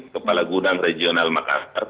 kepala gudang regional makassar